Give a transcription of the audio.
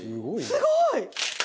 すごい！